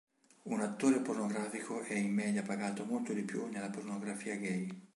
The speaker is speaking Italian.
Un attore pornografico è in media pagato molto di più nella pornografia gay.